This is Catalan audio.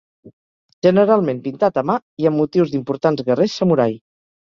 Generalment pintat a mà i amb motius d'importants guerrers samurai.